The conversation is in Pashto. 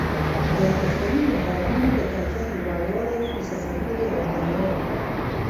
د دفاعي مهارتونو د کیفیت لوړوالی یې د سفرونو یوه بریا وه.